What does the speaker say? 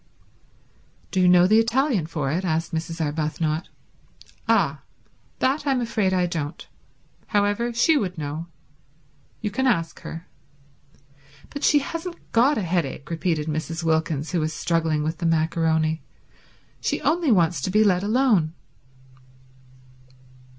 "Do you know the Italian for it?" asked Mrs. Arbuthnot. "Ah, that I'm afraid I don't. However, she would know. You can ask her." "But she hasn't got a headache," repeated Mrs. Wilkins, who was struggling with the maccaroni. "She only wants to be let alone."